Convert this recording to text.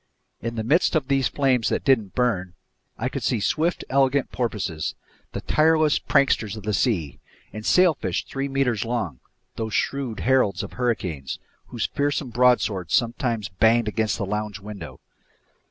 In the midst of these flames that didn't burn, I could see swift, elegant porpoises, the tireless pranksters of the seas, and sailfish three meters long, those shrewd heralds of hurricanes, whose fearsome broadswords sometimes banged against the lounge window.